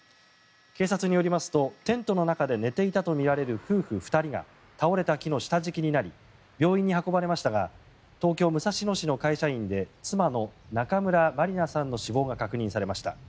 警察によりますとテントの中で寝ていたとみられる夫婦２人が倒れた木の下敷きになり病院に運ばれましたが東京・武蔵野市の会社員で妻の中村まりなさんの死亡が確認されました。